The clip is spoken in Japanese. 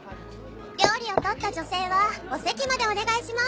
料理を取った女性はお席までお願いします。